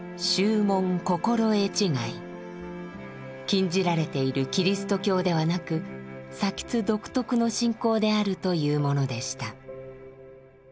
禁じられているキリスト教ではなく津独特の信仰であるというものでした。